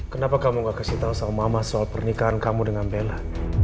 kenapa kamu gak kasih tau sama mama soal pernikahan kamu dengan bella